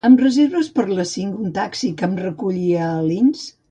Em reserves per a les cinc un taxi que em reculli a Alins?